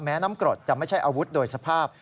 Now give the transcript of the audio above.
น้ำกรดจะไม่ใช่อาวุธโดยสภาพ